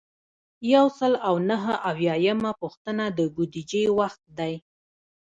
یو سل او نهه اویایمه پوښتنه د بودیجې وخت دی.